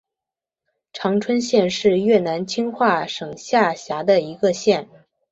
常春县是越南清化省下辖的一个县。